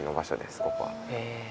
ここは。へ。